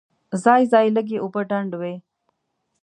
ځای ځای لږې اوبه ډنډ وې.